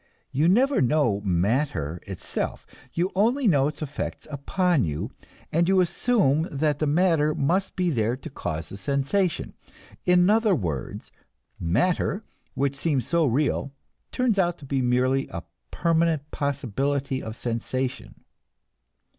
You never know matter itself, you only know its effects upon you, and you assume that the matter must be there to cause the sensation. In other words, "matter," which seems so real, turns out to be merely "a permanent possibility of sensation."